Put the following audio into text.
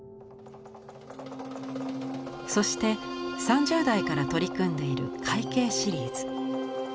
そして３０代から取り組んでいる「海景」シリーズ。